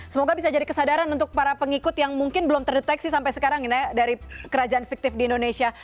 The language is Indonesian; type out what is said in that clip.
semoga bisa jadi kesadaran untuk para pengikut yang mungkin belum terdeteksi sampai sekarang dari kerajaan fiktif di indonesia